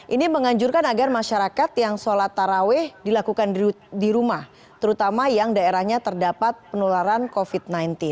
ini menganjurkan agar masyarakat yang sholat taraweh dilakukan di rumah terutama yang daerahnya terdapat penularan covid sembilan belas